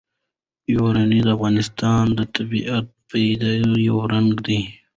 یورانیم د افغانستان د طبیعي پدیدو یو رنګ دی.